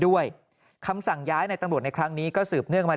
ด้วยคำสั่งย้ายในตำรวจในครั้งนี้ก็สืบเนื่องมา